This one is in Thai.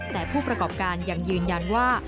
แต่ผู้ประกอบการยังยืนยันว่า